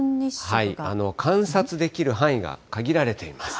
観察できる範囲が限られています。